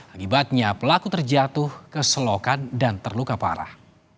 akibatnya pelaku terjatuh keselokan dan terluka parah